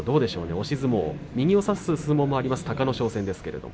押し相撲右を差す相撲もある隆の勝戦です。